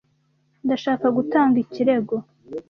Ndashaka gutanga ikirego.